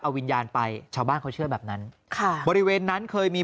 เอาวิญญาณไปชาวบ้านเขาเชื่อแบบนั้นค่ะบริเวณนั้นเคยมี